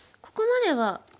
ここまでは。